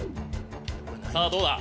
さぁどうだ。